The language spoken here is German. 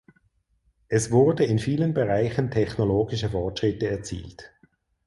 Es wurde in vielen Bereichen technologische Fortschritte erzielt.